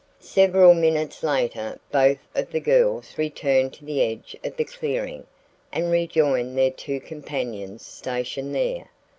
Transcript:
Several minutes later both of these girls returned to the edge of the clearing and rejoined their two companions stationed there.